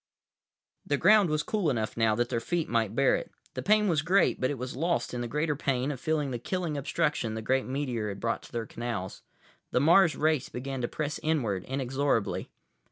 ———— The ground was cool enough now that their feet might bear it. The pain was great, but it was lost in the greater pain of feeling the killing obstruction the great meteor had brought to their canals. The Mars race began to press inward, inexorably.